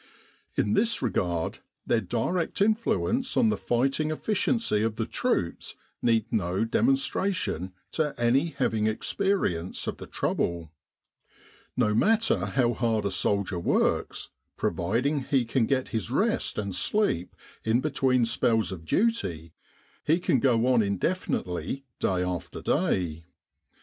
In this regard, their direct influence on the fighting efficiency of the troops needs no demonstra tion to any having experience of the trouble. No matter how hard a soldier works, providing he can get his rest and sleep in between spells of duty, he can go on indefinitely day after day.